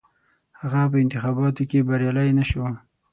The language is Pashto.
هغه په انتخاباتو کې بریالی نه شو.